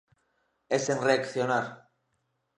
E sen reaccionar.